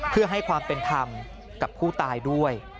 เพื่อให้ความเป็นธรรมกับผู้ตายด้วย